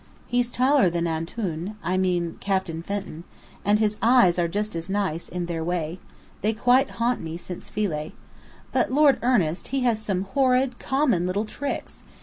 He's taller than Antoun I mean, Captain Fenton. And his eyes are just as nice in their way. They quite haunt me, since Philae. But Lord Ernest, he has some horrid, common little tricks!